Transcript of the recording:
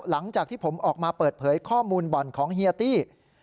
หลังจากที่ผมออกมาเปิดเผยข้อมูลบ่อนของเฮียตี้